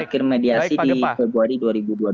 pemkot jambi yang diberikan di februari dua ribu dua puluh dua